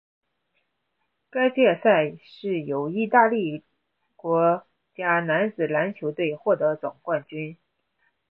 该届赛事由义大利国家男子篮球队获得总冠军。